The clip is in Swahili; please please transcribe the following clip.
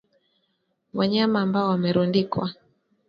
Wanyama ambao wamerundikwa